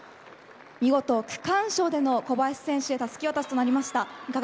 見事、区間賞での小林選手のたすき渡しへとなりました。